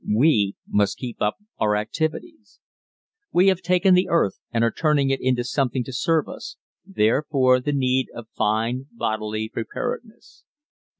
We must keep up our activities. We have taken the earth and are turning it into something to serve us therefore the need of fine bodily preparedness.